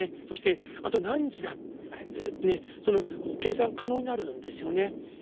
そしてあと何日だその計算可能になるんですよね。